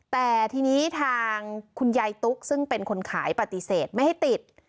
แต่ทีนี้ทางคุณยายตุ๊กซึ่งเป็นคนขายปฏิเสธไม่ให้ติด